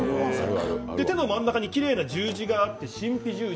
手の真ん中にきれいな十字があって、神秘十字。